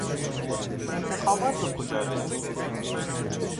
انتخابات به کجا رسید؟